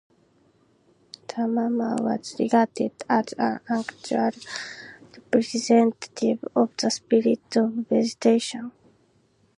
The mummer was regarded as an actual representative of the spirit of vegetation.